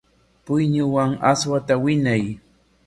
Puyñuman aswata winay.